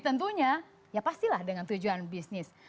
tentunya ya pastilah dengan tujuan bisnis